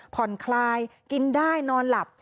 ผ่อนคลายกินได้นอนหลับ